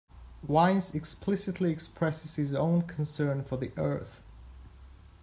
Wines explicitly expresses his own concern for the Earth.